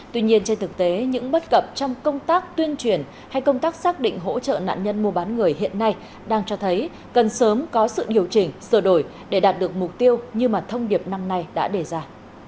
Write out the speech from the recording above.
tuy nhiên trên thực tế những bất cập trong công tác tuyên truyền hay công tác xác định hỗ trợ nạn nhân mua bán người hiện nay đang cho thấy cần sớm có sự điều chỉnh sửa đổi để đạt được mục tiêu như mà thông điệp năm nay đã đề ra